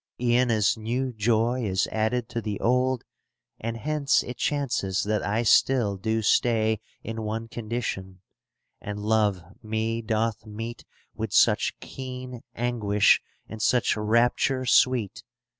E'en as new joy is added to the old; And hence it chances that I still do stay '* In one condition, and Love me doth meet With such keen anguish and such rapture sweet.